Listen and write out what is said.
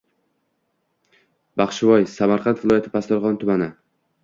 Baxshivoy – q., Samarqand viloyati Pastdarg‘om tumani.